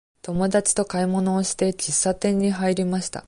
友達と買い物をして、喫茶店に入りました。